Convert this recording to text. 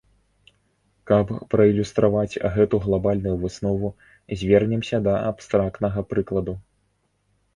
Каб праілюстраваць гэту глабальную выснову, звернемся да абстрактнага прыкладу.